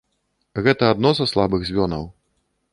Гэта адно са слабых звёнаў.